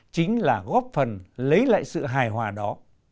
chính là góp phần lấy lại sự hài hòa đó